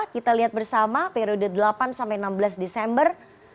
kita lihat bersama periode delapan sampai enam belas desember